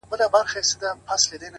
واه واه، خُم د شرابو ته راپرېوتم، بیا،